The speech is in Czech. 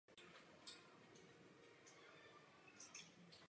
Matka pocházela ze staré německé měšťanské rodiny z Brna.